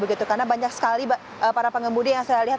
karena banyak sekali para pengemudi yang saya lihat